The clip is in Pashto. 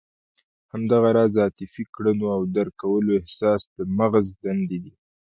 همدغه راز عاطفي کړنو او درک کولو احساس د مغز دندې دي.